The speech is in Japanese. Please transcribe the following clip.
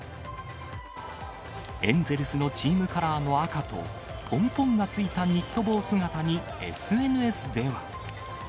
エンゼルスのチームカラーの赤と、ポンポンがついたニット帽姿に、ＳＮＳでは。